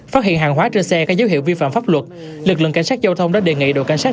phát hiện hàng hóa trên xe có dấu hiệu vi phạm pháp luật lực lượng cảnh sát giao thông đã đề nghị đội cảnh sát